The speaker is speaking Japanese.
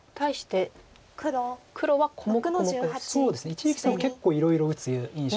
一力さんは結構いろいろ打つ印象はあります。